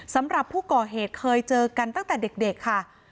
สำหรับผู้ก่อเหตุเคยเจอกันตั้งแต่เด็กค่ะ